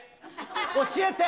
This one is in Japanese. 教えて。